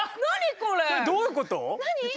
これどういうこと？